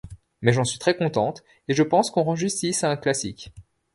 Mais j'en suis très contente et je pense qu'on rend justice à un classique.